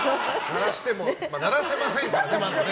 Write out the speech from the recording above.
鳴らせませんからね、まずね。